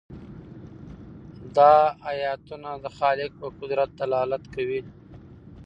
دا آیتونه د خالق په قدرت دلالت کوي.